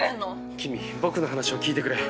キミ僕の話を聞いてくれ。